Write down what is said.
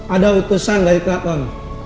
ada utusan dari ketua komunikasi